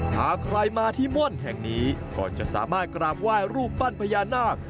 หากใครมาที่ม่อนแห่งนี้ก็จะสามารถกราบไหว้รูปปั้นพญานาค